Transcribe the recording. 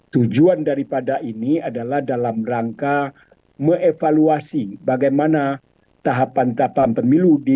tujuan daripada ini adalah dalam rangka me evaluasi bagaimana tahapan tahapan pemilu di dua ribu dua puluh empat itu